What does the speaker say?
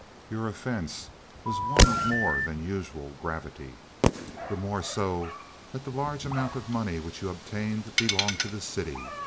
Your offense was one of more than usual gravity, the more so that the large amount of money which you obtained belonged to the city.